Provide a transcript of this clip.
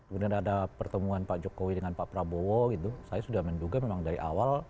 kemudian ada pertemuan pak jokowi dengan pak prabowo gitu saya sudah menduga memang dari awal